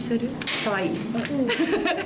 かわいい。